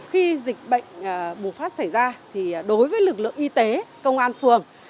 khi dịch bệnh bùng phát xảy ra thì đối với lực lượng y tế công an phường